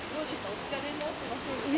お疲れになってませんか？